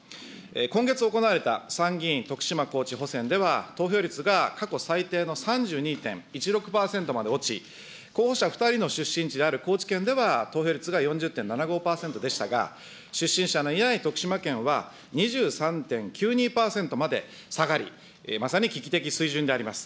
今月行われた参議院徳島高知補選では、投票率が過去最低の３２．１６％まで落ち、候補者２人の出身地である高知県では投票率が４０．７５％でしたが、出身者のいない徳島県は２３．９２％まで下がり、まさに危機的水準であります。